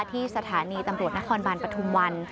ที่สถานีตำรวจนครบาลปฐุมวัน